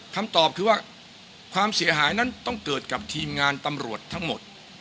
คำตอบคือว่าความเสียหายนั้นต้องเกิดกับทีมงานตำรวจทั้งหมด